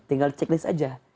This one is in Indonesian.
tinggal cek list aja